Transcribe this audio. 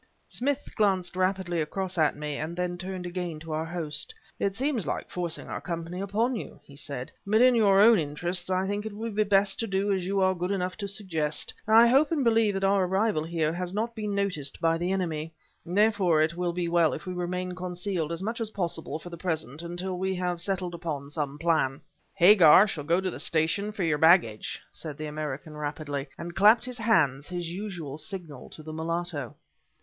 Smith glanced rapidly across at me, then turned again to our host. "It seems like forcing our company upon you," he said, "but in your own interests I think it will be best to do as you are good enough to suggest. I hope and believe that our arrival here has not been noticed by the enemy; therefore it will be well if we remain concealed as much as possible for the present, until we have settled upon some plan." "Hagar shall go to the station for your baggage," said the American rapidly, and clapped his hands, his usual signal to the mulatto.